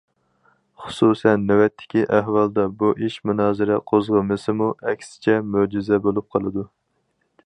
خۇسۇسەن، نۆۋەتتىكى ئەھۋالدا، بۇ ئىش مۇنازىرە قوزغىمىسىمۇ، ئەكسىچە مۆجىزە بولۇپ قالىدۇ.